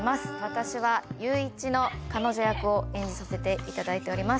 私は裕一の彼女役を演じさせていただいております。